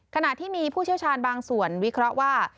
ขณะที่มีผู้เชี่ยวชาญบางส่วนวิเคราะห์ว่า